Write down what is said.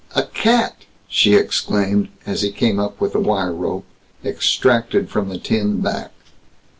"A cat?" she exclaimed, as he came up with a wire rope, extracted from the tin back.